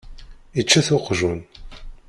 Ičča-t uqjun.